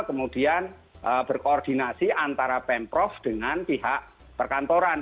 kemudian berkoordinasi antara pemprov dengan pihak perkantoran